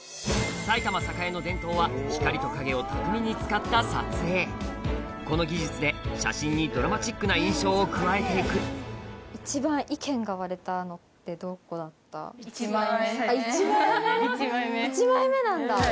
埼玉栄の伝統は光と影を巧みに使った撮影この技術で写真にドラマチックな印象を加えて行く１枚目なんだ。